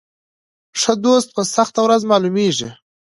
ښه دوست په سخته ورځ معلومیږي.